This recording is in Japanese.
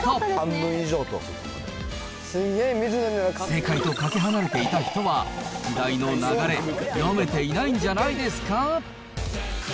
正解とかけ離れていた人は、時代の流れ、読めていないんじゃないですか。